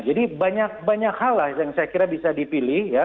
jadi banyak hal lah yang saya kira bisa dipilih ya